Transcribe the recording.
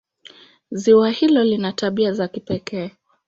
Ziwa hilo lina tabia za pekee.